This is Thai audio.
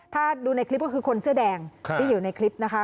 ถ้าดูในคลิปก็คือคนเสื้อแดงที่อยู่ในคลิปนะคะ